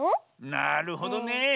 なるほどね。